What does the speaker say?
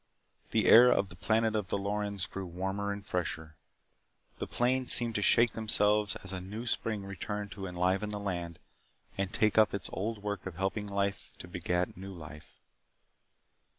The air of the planet of the Lorens grew warmer and fresher. The plains seemed to shake themselves as a new spring returned to enliven the land and take up its old work of helping life to begat new life.